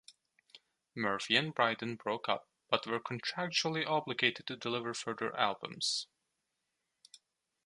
Murphy and Brydon broke up but were contractually obligated to deliver further albums.